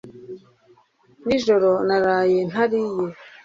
nijoro naraye ntariye